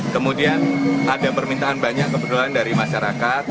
kemudian ada permintaan banyak kebetulan dari masyarakat